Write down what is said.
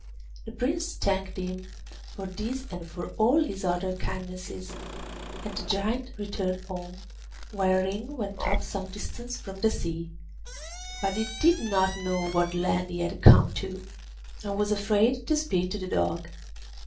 The Prince thanked him for this and for all his other kindnesses, and the Giant returned home, while Ring went up some distance from the sea; but he did not know what land he had come to, and was afraid to speak to the Dog.